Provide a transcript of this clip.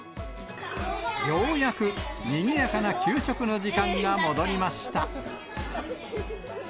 ようやくにぎやかな給食の時間が戻りました。